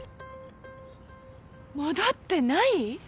戻ってない！？